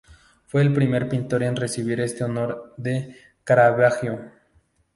Fue el primer pintor en recibir este honor desde Caravaggio.